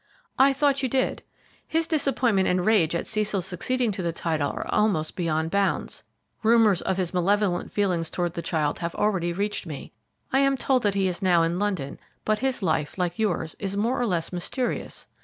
"I thought you did. His disappointment and rage at Cecil succeeding to the title are almost beyond bounds. Rumours of his malevolent feelings towards the child have already reached me. I am told that he is now in London, but his life, like yours, is more or less mysterious.